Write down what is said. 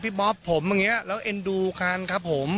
บ๊อบผมอย่างนี้แล้วเอ็นดูกันครับผม